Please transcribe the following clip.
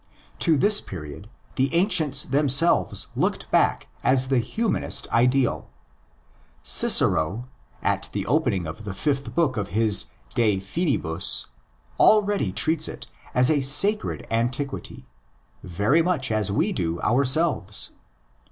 To this period the ancients themselves looked back as the humanist ideal. Cicero, at the opening of the fifth book of his De Finibus, already treats it as a sacred antiquity, very much as we do ourselves.